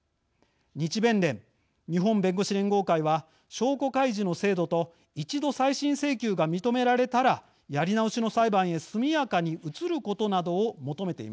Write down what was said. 日弁連日本弁護士連合会は証拠開示の制度と一度再審請求が認められたらやり直しの裁判へ速やかに移ることなどを求めています。